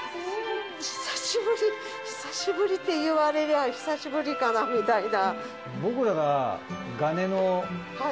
久しぶり久しぶりっていうあれでは久しぶりかな？みたいな。